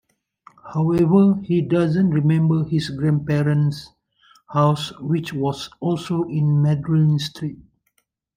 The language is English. However, he does remember his grandparents' house, which was also in Madryn Street.